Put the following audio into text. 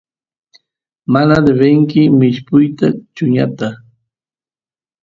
mana debenki mishpuyta chuñuta